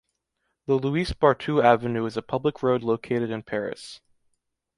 The Louis-Barthou Avenue is a public road located in Paris.